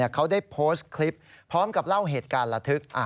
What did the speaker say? เขาได้โพสต์คลิปพร้อมกับเล่าเหตุการณ์ระทึก